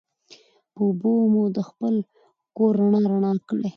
په اوبو مو دا خپل کور رڼا رڼا کړي